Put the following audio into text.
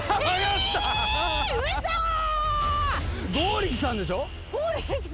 剛力さんでしょ。